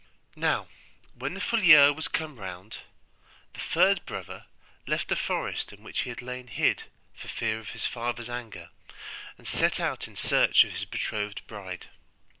Now when the full year was come round, the third brother left the forest in which he had lain hid for fear of his father's anger, and set out in search of his betrothed bride.